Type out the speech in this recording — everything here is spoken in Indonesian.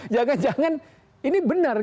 jangan jangan ini benar